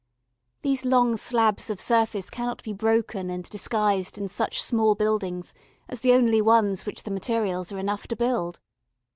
These long slabs of surface cannot be broken and disguised in such small buildings as the only ones which the materials are enough to build.